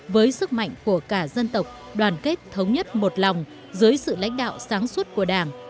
với sức mạnh của cả dân tộc đoàn kết thống nhất một lòng dưới sự lãnh đạo sáng suốt của đảng